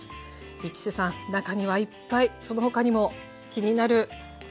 市瀬さん中にはいっぱいその他にも気になるレシピあります。